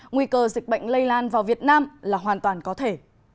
nguy cơ dịch bệnh lây lan vào việt nam là hoàn toàn có thể